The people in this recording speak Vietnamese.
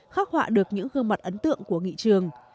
khắc họa được những gương mặt ấn tượng của nghị trường